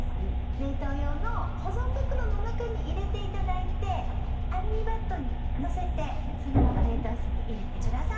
冷凍用の保存袋の中に入れていただいてアルミバットに乗せてそのまま冷凍室に入れてください。